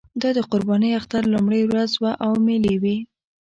دا د قربانۍ اختر لومړۍ ورځ وه او مېلې وې.